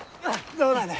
どうなんだ？